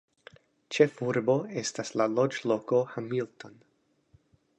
Ĉefurbo estas la loĝloko Hamilton.